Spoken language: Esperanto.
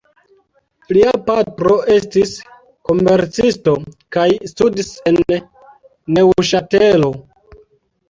Lia patro estis komercisto, kaj studis en Neŭŝatelo.